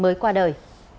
mới qua đời